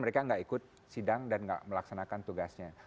mereka gak ikut sidang dan gak melaksanakan tugasnya